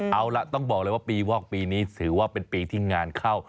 เอาล่ะต้องบอกเลยว่าปีวอกปีนี้ถือว่าเป็นปีที่งานเข้า